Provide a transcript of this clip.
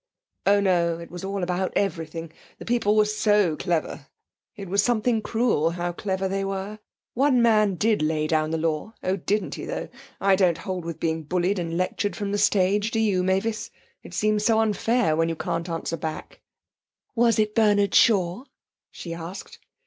'Oh no. It was all about everything. The people were so clever; it was something cruel how clever they were. One man did lay down the law! Oh, didn't he though! I don't hold with being bullied and lectured from the stage, do you, Mavis? It seems so unfair when you can't answer back.' 'Was it Bernard Shaw?' she asked.